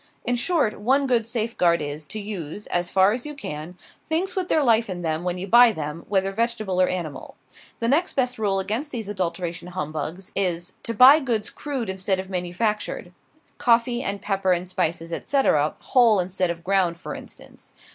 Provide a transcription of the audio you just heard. In short, one good safeguard is, to use, as far as you can, things with their life in them when you buy them, whether vegetable or animal. The next best rule against these adulteration humbugs is, to buy goods crude instead of manufactured; coffee, and pepper, and spices, etc., whole instead of ground, for instance.